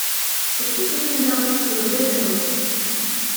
Соттун чечими дагы күтүлгөндөй эле болот.